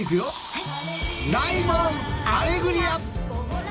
はい。